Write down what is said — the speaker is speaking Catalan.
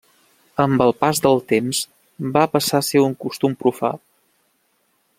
Amb els pas de temps, va passar a ser un costum profà.